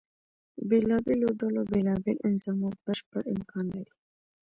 بېلابېلو ډلو بیلا بیل انظامات بشپړ امکان لري.